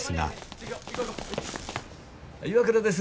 岩倉です。